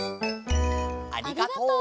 ありがとう。